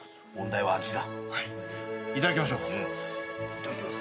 いただきます。